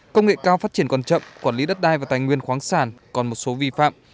công nghệ cao phát triển còn chậm quản lý đất đai và tài nguyên khoáng sản còn một số vi phạm